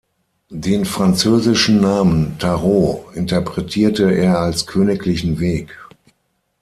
Den französischen Namen Tarot interpretierte er als „königlichen Weg“.